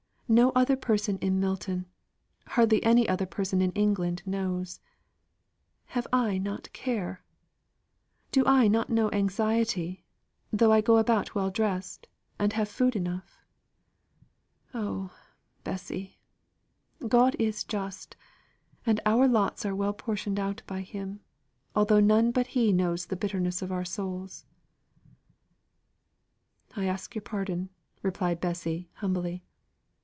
No other person in Milton hardly any other person in England knows. Have I not care? Do I not know anxiety, though I go about well dressed, and have food enough? Oh, Bessy, God is just, and our lots are well portioned out by Him, although none but He knows the bitterness of our souls." "I ask your pardon," replied Bessy, humbly.